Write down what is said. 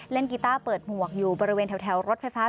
กีต้าเปิดหมวกอยู่บริเวณแถวรถไฟฟ้า